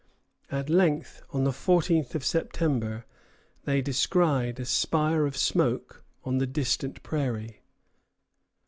At length, on the 14th of September, they descried a spire of smoke on the distant prairie.